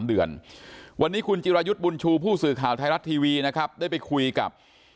เดือนวันนี้คุณจิรายุทธ์บุญชูผู้สื่อข่าวไทยรัฐทีวีนะครับได้ไปคุยกับ